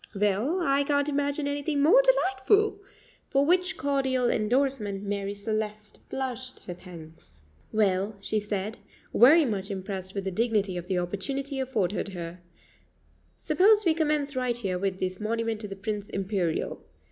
"Well, I can't imagine anything more delightful;" for which cordial endorsement Marie Celeste blushed her thanks. "Well," she said, very much impressed with the dignity of the opportunity afforded her, "suppose we commence right here with this monument to the Prince Imperial.